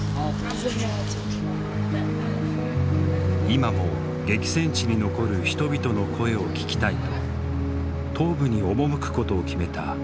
今も激戦地に残る人々の声を聞きたいと東部に赴くことを決めたアナスタシヤ。